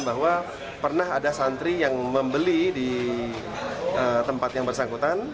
bahwa pernah ada santri yang membeli di tempat yang bersangkutan